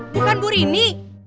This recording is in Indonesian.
bukan buru ini